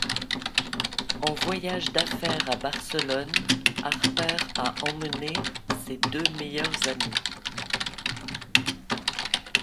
En voyage d'affaires à Barcelone, Harper a emmené ses deux meilleures amies.